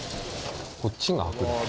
こっちが開く。